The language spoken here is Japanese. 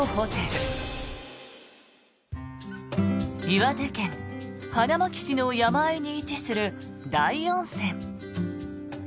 岩手県花巻市の山あいに位置する台温泉。